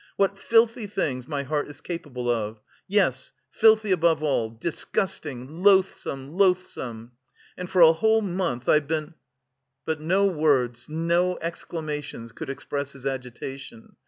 What filthy things my heart is capable of. Yes, filthy above all, disgusting, loathsome, loathsome! and for a whole month I've been...." But no words, no exclamations, could express his agitation.